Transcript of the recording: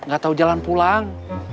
gak tau jalan pulang